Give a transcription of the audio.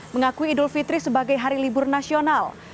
mengakui idul fitri sebagai hari libur nasional